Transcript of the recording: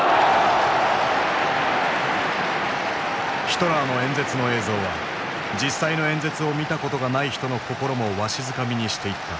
ヒトラーの演説の映像は実際の演説を見たことがない人の心もわしづかみにしていった。